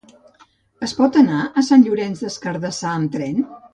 Es pot anar a Sant Llorenç des Cardassar amb tren?